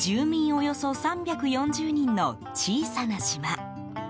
およそ３４０人の小さな島。